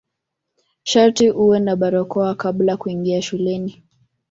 Sharti uwe na barakoa kabla kuingia shuleni.